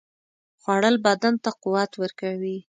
خوړل بدن ته قوت ورکوي